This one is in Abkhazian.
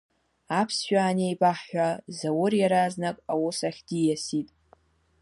Аԥсшәа анеибаҳҳәа, Заур иаразнак аус ахь диасит…